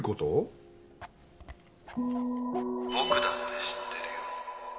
僕だって知ってるよ。